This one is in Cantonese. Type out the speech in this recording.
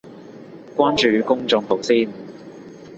關注公眾號先